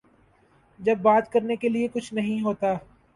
جب بات کرنے کیلئے کچھ نہیں ہوتا۔